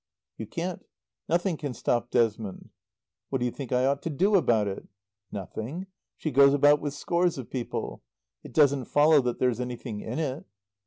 "You can't. Nothing can stop Desmond." "What do you think I ought to do about it?" "Nothing. She goes about with scores of people. It doesn't follow that there's anything in it."